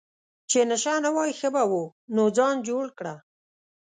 چې نشه نه وای ښه به وو، نو ځان جوړ کړه.